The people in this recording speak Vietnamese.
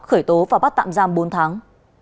khởi tố và bắt tạm giam bốn tháng